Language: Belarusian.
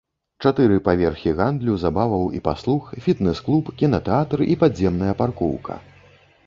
Чатыры паверхі гандлю, забаваў і паслуг, фітнэс-клуб, кінатэатр і падземная паркоўка.